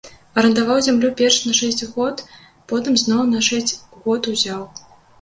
Арандаваў зямлю перш на шэсць год, потым зноў на шэсць год узяў.